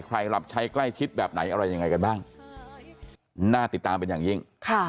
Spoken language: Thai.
หลับใช้ใกล้ชิดแบบไหนอะไรยังไงกันบ้างน่าติดตามเป็นอย่างยิ่งค่ะ